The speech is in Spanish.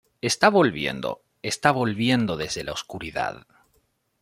Está volviendo, está volviendo desde la oscuridad.